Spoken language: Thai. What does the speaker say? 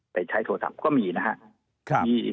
ไปใช้โทรศัพท์ก็มีนะฮะ